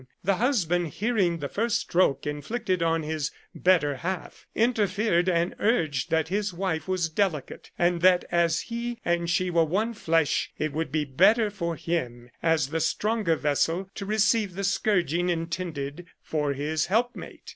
The husband, hearing the first stroke inflicted on his better half, interfered, and urged that his wife was delicate, and that as he and she were one flesh, it would be better for him, 133 Curiosities of Olden Times as the stronger vessel, to receive the scourging intended for his helpmate.